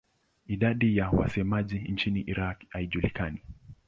Idadi ya wasemaji nchini Iraq haijulikani.